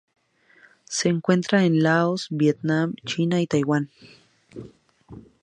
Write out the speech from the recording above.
Se encuentra en Laos, Vietnam, China y Taiwán.